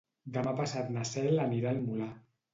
Demà passat na Cel anirà al Molar.